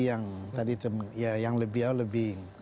yang tadi itu ya yang lebih